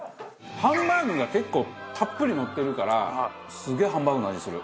ハンバーグが結構たっぷりのってるからすげえハンバーグの味する。